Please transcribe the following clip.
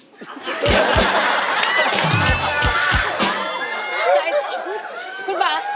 คุณบ่า